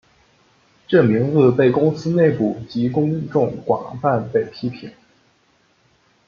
这名字被公司内部及公众广泛被批评。